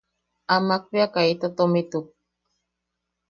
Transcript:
Amak bea kaita tomituk.